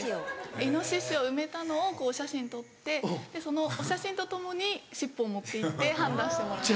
イノシシを埋めたのをお写真撮ってそのお写真とともに尻尾を持って行って判断してもらう。